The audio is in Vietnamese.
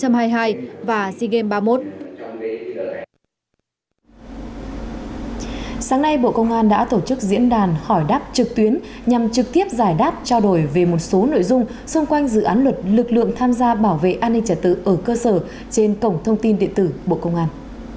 sáng nay bộ công an đã tổ chức diễn đàn hỏi đáp trực tuyến nhằm trực tiếp giải đáp trao đổi về một số nội dung xung quanh dự án luật lực lượng tham gia bảo vệ an ninh trả tự ở cơ sở trên cổng thông tin điện tử bộ công an